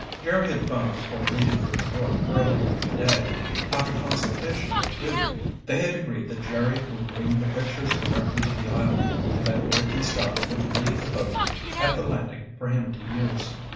Jerry had phoned before leaving for New York earlier in the day. After consultation with Duke, they had agreed that Jerry would bring the pictures directly to the island, and that Rick and Scotty would leave the boat at the landing for him to use.